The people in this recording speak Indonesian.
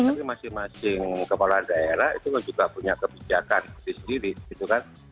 tapi masing masing kepala daerah itu juga punya kebijakan sendiri sendiri gitu kan